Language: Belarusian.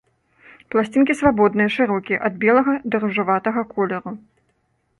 Пласцінкі свабодныя, шырокія, ад белага да ружаватага колеру.